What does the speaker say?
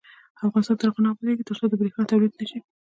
افغانستان تر هغو نه ابادیږي، ترڅو د باد بریښنا تولید نشي.